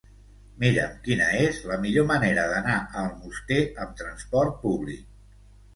Mira'm quina és la millor manera d'anar a Almoster amb trasport públic.